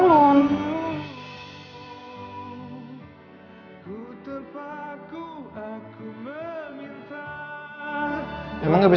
nggak ada ga ada